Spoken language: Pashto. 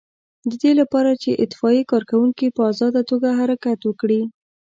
د دې لپاره چې د اطفائیې کارکوونکي په آزاده توګه حرکت وکړي.